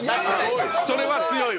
それは強いわ。